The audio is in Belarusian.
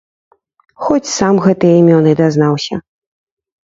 Хоць сам гэтыя імёны дазнаўся.